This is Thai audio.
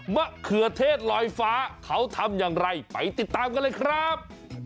มะเขือเทศลอยฟ้าเขาทำอย่างไรไปติดตามกันเลยครับ